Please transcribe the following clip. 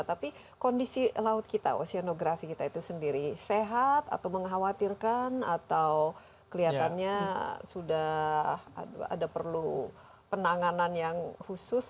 tapi kondisi laut kita oseanografi kita itu sendiri sehat atau mengkhawatirkan atau kelihatannya sudah ada perlu penanganan yang khusus